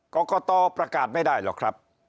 กรกตประกาศไม่ได้หรอกครับ